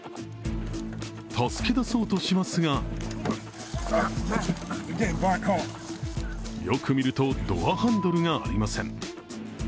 助けだそうとしますがよく見ると、ドアハンドルがありません。